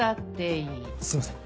すいません。